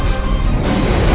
aku mau kesana